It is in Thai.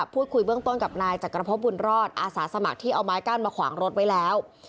พูดคุยเบื้องต้นกับนายจักรพบบุญรอดอาสาสมัครที่เอาไม้กั้นมาขวางรถไว้แล้ว